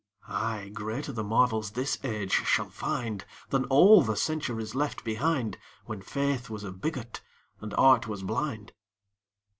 Ay, greater the marvels this age shall find Than all the centuries left behind, When faith was a bigot and art was blind.